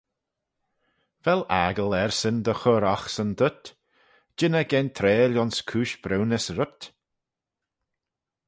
Vel aggle ersyn dy chur oghsan dhyt? jean eh gentreil ayns cooish briwnys rhyt?